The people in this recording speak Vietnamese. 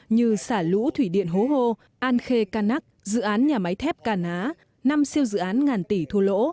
như xả lũ thủy điện hố hô an khê can nắc dự án nhà máy thép cà ná năm siêu dự án ngàn tỷ thua lỗ